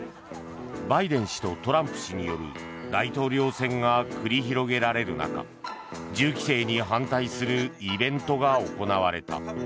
バイデン氏とトランプ氏による大統領選が繰り広げられる中銃規制に反対するイベントが行われた。